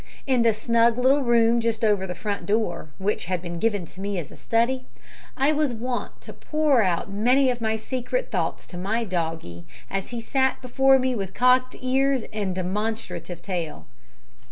In the snug little room just over the front door, which had been given to me as a study, I was wont to pour out many of my secret thoughts to my doggie, as he sat before me with cocked ears and demonstrative tail.